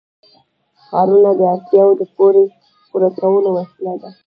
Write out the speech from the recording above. ښارونه د اړتیاوو د پوره کولو وسیله ده.